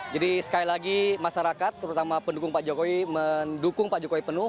jadi sekali lagi masyarakat terutama pendukung pak jokowi mendukung pak jokowi penuh